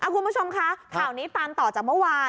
คุณผู้ชมคะข่าวนี้ตามต่อจากเมื่อวาน